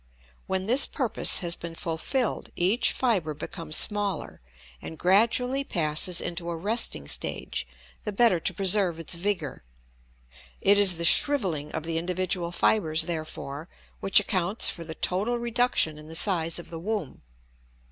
When this purpose has been fulfilled each fiber becomes smaller and gradually passes into a resting stage the better to preserve its vigor. It is the shrivelling of the individual fibers, therefore, which accounts for the total reduction in the size of the womb.